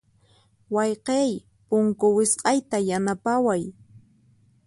Wayqiy, punku wisq'ayta yanapaway.